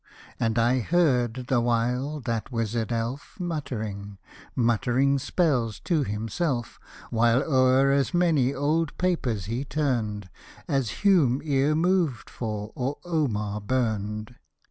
And I heard, the while, that wizard elf Muttering, muttering spells to himself, While o'er as many old papers he turned. As Hume e'er moved for, or Omar burned.